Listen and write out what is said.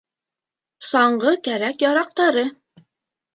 Саңғы кәрәк-ярҡтары